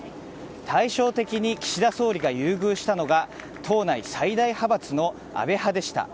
対照的に岸田総理が優遇したのが党内最大派閥の安倍派でした。